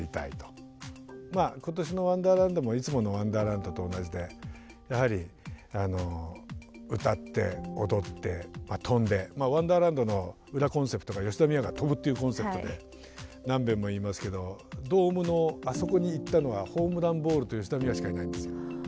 今年のワンダーランドもいつものワンダーランドと同じでやはり歌って踊って飛んでワンダーランドの裏コンセプトが吉田美和が飛ぶっていうコンセプトで何べんも言いますけどドームのあそこに行ったのはホームランボールと吉田美和しかいないんですよ。